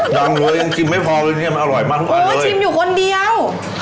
ขนมมาหมดยังคะ